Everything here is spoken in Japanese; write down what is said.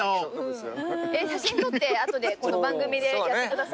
写真撮って後でこの番組でやってくださいね。